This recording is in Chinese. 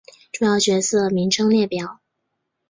主要角色名称列表。